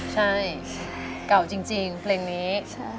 ใช่เก่าจริงเพลงนี้